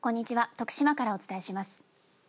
徳島からお伝えします。